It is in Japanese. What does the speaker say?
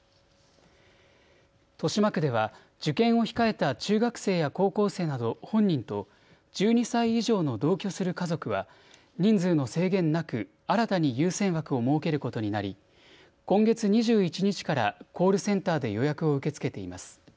豊島区では受験を控えた中学生や高校生など本人と１２歳以上の同居する家族は人数の制限なく新たに優先枠を設けることになり今月２１日からコールセンターで予約を受け付けています。